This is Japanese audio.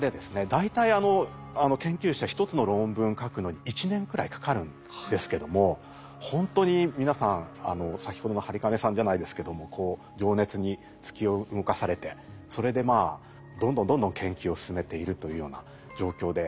大体研究者１つの論文書くのに１年くらいかかるんですけどもほんとに皆さん先ほどの播金さんじゃないですけどもこう情熱に突き動かされてそれでまあどんどんどんどん研究を進めているというような状況で。